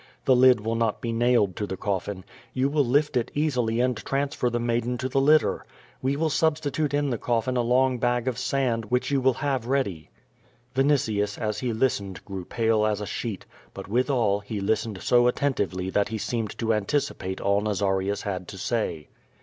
The lid will not be nailed to the coffin. You will lift it easily and transfer the maiden to the litter. We will substitute in the coffin a long bag of sand which you will have ready." Vinitius, as he listened, grew pale as a sheet, but withal he listened so attentively that he seemed to anticipate all Naza rius had to say.